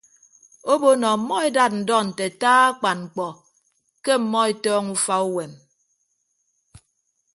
Obo nọ ọmmọ edat ndọ nte ataa akpan mkpọ ke ọmmọ etọọñọ ufa uwem.